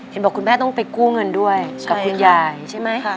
เห็นบอกคุณแม่ต้องไปกู้เงินด้วยกับคุณยายใช่ไหม